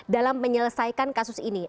dalam menyelesaikan kasus ini